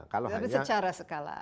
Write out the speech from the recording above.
tapi secara skala